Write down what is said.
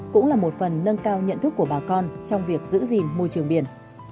cũng là một phần nâng cao nhận thức của bà con trong việc giữ gìn môi trường biển